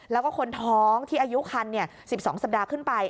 และคนท้องที่อายุครรภ์๑๒สัปดาห์ขึ้นไป